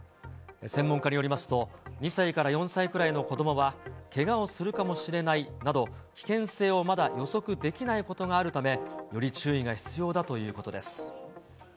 専門家によりますと、２歳から４歳くらいの子どもは、けがをするかもしれないなど、危険性をまだ予測できないことがあるため、より注意が必要だということです。